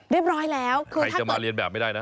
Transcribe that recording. เรียบร้อยแล้วคือถ้าเกิดใครจะมาเรียนแบบไม่ได้นะ